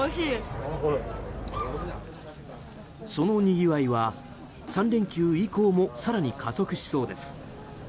そのにぎわいは３連休以降も更に加速しそうです。